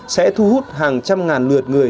sẽ thu hút hàng trăm ngàn lượt người